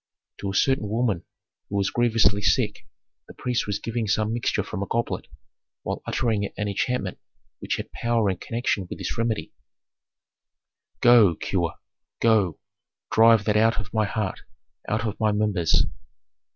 To a certain woman who was grievously sick the priest was giving some mixture from a goblet, while uttering an enchantment which had power in connection with this remedy, "Go, cure, go, drive that out of my heart, out of my members."